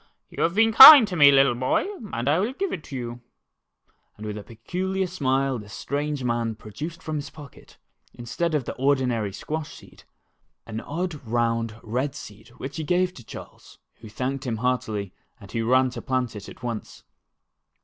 You have been kind to me, little boy, and I will give it to you," and with a peculiar smile, this strange man produced from his pocket, instead of the ordinary squash seed, an odd, 4 A Quick Running Squash. round, red seed which he gave to Charles, who thanked him heartily, and who ran to plant it at once.